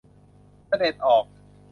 เสด็จออก